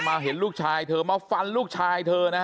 เห็นลูกชายเธอมาฟันลูกชายเธอนะฮะ